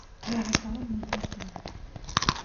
E avanzamos moitísimo.